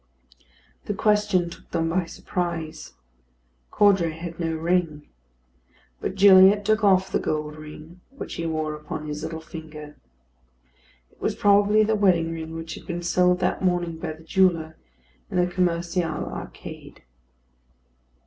The question took them by surprise. Caudray had no ring; but Gilliatt took off the gold ring which he wore upon his little finger. It was probably the wedding ring which had been sold that morning by the jeweller in the Commercial Arcade.